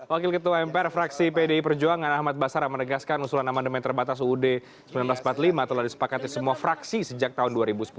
wakil ketua mpr fraksi pdi perjuangan ahmad basara menegaskan usulan amandemen terbatas uud seribu sembilan ratus empat puluh lima telah disepakati semua fraksi sejak tahun dua ribu sepuluh